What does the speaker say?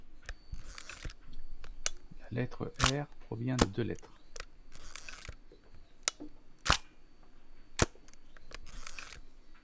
La lettre Я provient de deux lettres.